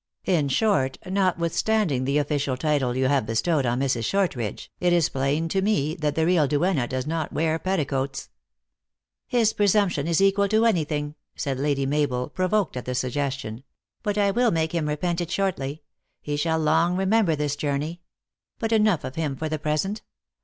In short, notwithstanding the official title you have bestowed on Mrs. Shortridge, it is plain to me that the real duenna does not wear pet ticoats." 120 THE ACTRESS IN HIGH LIFE. " His presumption is equal to any thing," said Lady Mabel, provoked at the suggestion. " But I will make him repent it shortly. He shall long remember this journey. But enough of him for the present.